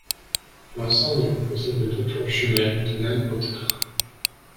L'ensemble est composé de deux tours jumelles de même hauteur.